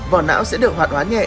vỏ não sẽ được hoạt hóa nhẹ